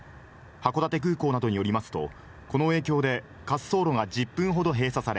函館空港などによりますと、この影響で、滑走路が１０分ほど閉鎖され、